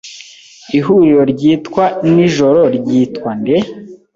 Ihuriro ryitwa nijoro ryitwa nde?